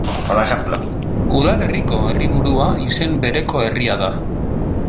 Udalerriko herriburua izen bereko herria da.